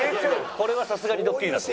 これはさすがにドッキリだと。